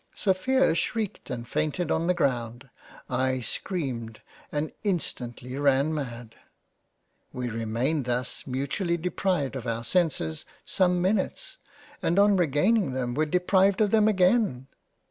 Sophia shreiked and fainted on the ground — I screamed and instantly ran mad —. We remained thus mutually deprived of our senses, some minutes, and on regain ing them were deprived of them again.